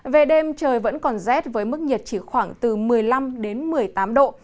về đêm trời vẫn còn rét với mức nhiệt chỉ khoảng từ một mươi năm hai mươi độ